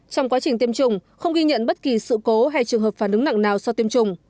trong quá trình tiêm chủng không ghi nhận bất kỳ sự cố hay trường hợp phản ứng nặng nào sau tiêm chủng